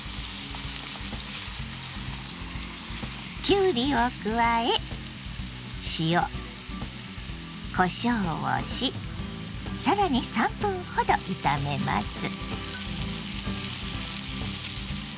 きゅうりを加え塩こしょうをし更に３分ほど炒めます。